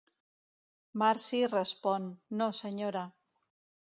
Marcie respon: "No, senyora".